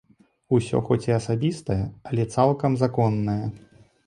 Усё хоць і асабістае, але цалкам законнае.